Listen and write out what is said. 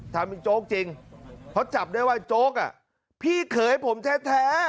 ทำจ๊กจริงเพราะจับได้ว่าจ๊กอ่ะพี่เขยผมแท้แท้